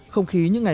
không khí những ngày